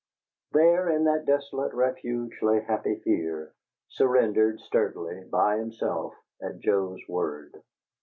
There, in that desolate refuge, lay Happy Fear, surrendered sturdily by himself at Joe's word.